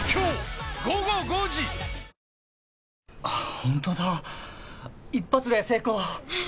ホントだ一発で成功